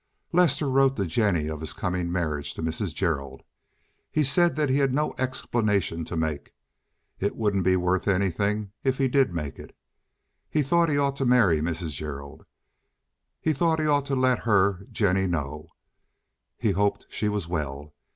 Lester wrote to Jennie of his coming marriage to Mrs. Gerald. He said that he had no explanation to make. It wouldn't be worth anything if he did make it. He thought he ought to marry Mrs. Gerald. He thought he ought to let her (Jennie) know. He hoped she was well.